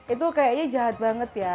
itu kayaknya jahat banget ya